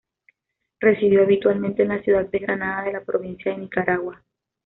Residió habitualmente en la ciudad de Granada de la provincia de Nicaragua.